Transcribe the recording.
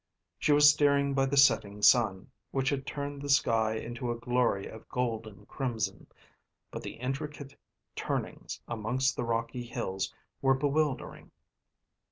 She was steering by the setting sun, which had turned the sky into a glory of golden crimson, but the intricate turnings amongst the rocky hills were bewildering.